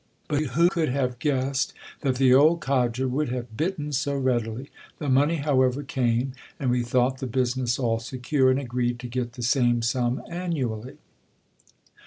But who could have guess ed that the old codger would have biHeyi so readily t The money, however, came ; and we thought the business all secure, and agreed to get the same sum an nually.